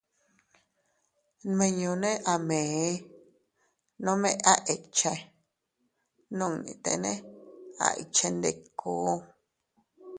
Nminñune a mee, nome a ikche, nunnitene a ikchendikuu.